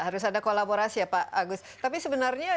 harus ada kolaborasi ya pak agus tapi sebenarnya